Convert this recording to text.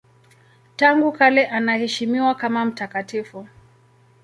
Tangu kale anaheshimiwa kama mtakatifu.